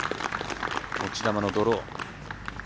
持ち球のドロー。